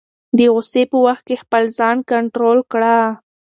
د غصې په وخت کې خپل ځان کنټرول کړه.